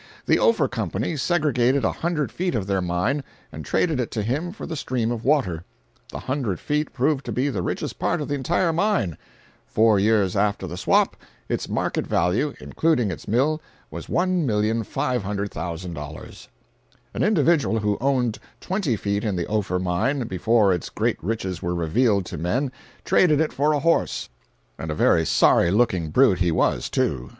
The Ophir Company segregated a hundred feet of their mine and traded it to him for the stream of water. The hundred feet proved to be the richest part of the entire mine; four years after the swap, its market value (including its mill) was $1,500,000. An individual who owned twenty feet in the Ophir mine before its great riches were revealed to men, traded it for a horse, and a very sorry looking brute he was, too.